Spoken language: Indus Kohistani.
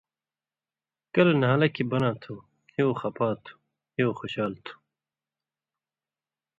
کلہۡ نھالہ کھیں بناں تھو ”ہیُو خپا تُھو“،”ہیُو خوشال تُھو“،